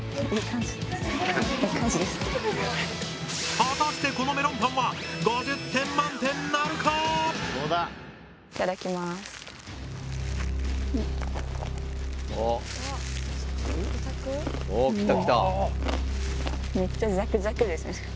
果たしてこのメロンパンはおきたきた！